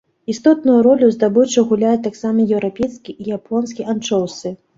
Істотную ролю ў здабычы гуляюць таксама еўрапейскі і японскі анчоўсы.